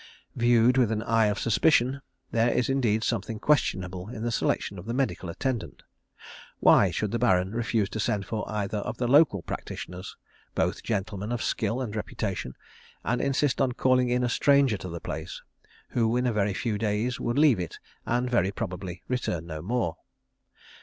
Viewed with an eye of suspicion, there is indeed something questionable in the selection of the medical attendant. Why should the Baron refuse to send for either of the local practitioners, both gentlemen of skill and reputation, and insist on calling in a stranger to the place, who in a very few days would leave it, and very probably return no more?